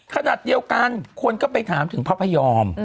ขณะเดียวกันคนก็ไปถามถึงพระพยอม